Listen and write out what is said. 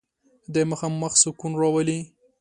د ماښام وخت سکون راولي.